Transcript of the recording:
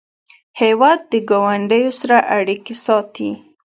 هېواد د ګاونډیو سره اړیکې ساتي.